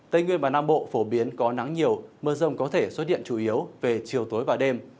tây nguyên và nam bộ phổ biến có nắng nhiều mưa rông có thể xuất hiện chủ yếu về chiều tối và đêm